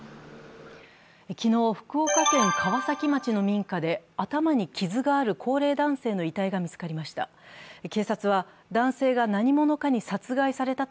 昨日、福岡県川崎町の民家で頭に傷がある高齢男性の遺体が見つかりました。